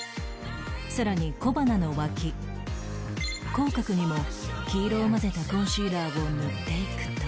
さらに小鼻の脇口角にも黄色を混ぜたコンシーラーを塗っていくと